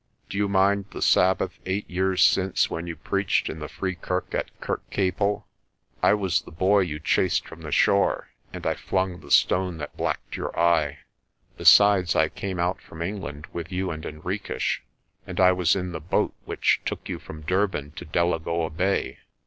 "Do you mind the Sabbath eight years since when you preached in the Free Kirk at Kirkcaple? I was the boy you chased from the shore and I flung the stone that blacked your eye. Be sides I came out from England with you and Henriques, and I was in the boat which took you from Durban to Delagoa Bay.